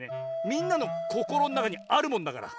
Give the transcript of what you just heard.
みんなのこころのなかにあるもんだから。